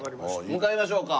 向かいましょうか。